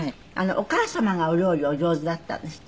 お母様がお料理お上手だったんですって？